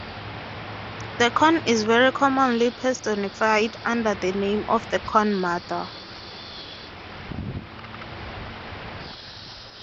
The corn is very commonly personified under the name of the Corn Mother.